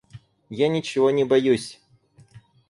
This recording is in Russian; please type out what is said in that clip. Я ничего не боюсь!